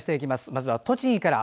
まずは栃木から。